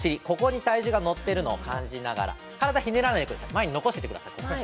ここに体重が乗ってるのを感じながら体ひねらないでください。